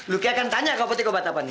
lucky akan tanya kau petik obat apaan nih